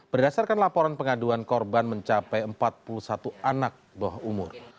berdasarkan laporan pengaduan korban mencapai empat puluh satu anak bawah umur